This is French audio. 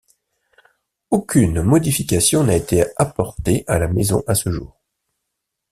Aucune modification n'a été apportée à la maison à ce jour.